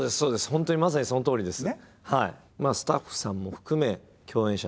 本当にまさにそのとおりです。